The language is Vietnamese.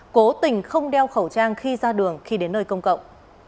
cố tình không đeo khẩu trang khi ra đường khi đến nơi công cộng